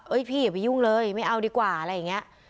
พี่อย่าไปยุ่งเลยไม่เอาดีกว่าอะไรอย่างนี้